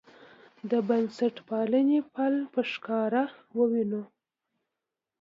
د بنسټپالنې پل په ښکاره ووینو.